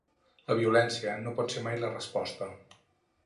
La violència no pot ser mai la resposta!